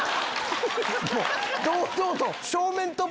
もう堂々と！